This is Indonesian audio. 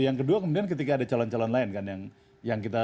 yang kedua kemudian ketika ada calon calon lain kan